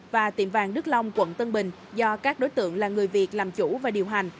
và tiệm vàng đức long quận tân bình do các đối tượng là người việt làm chủ và điều hành